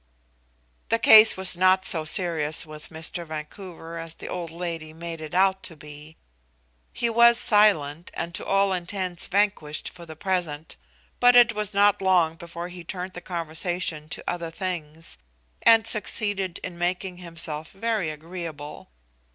The case was not so serious with Mr. Vancouver as the old lady made it out to be. He was silent and to all intents vanquished for the present, but it was not long before he turned the conversation to other things, and succeeded in making himself very agreeable.